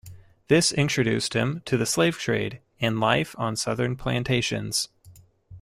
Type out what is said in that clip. This introduced him to the slave trade and life on southern plantations.